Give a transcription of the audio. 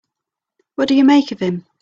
What do you make of him?